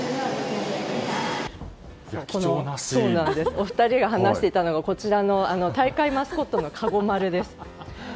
お二人が話していたのが大会マスコットのかごまるです。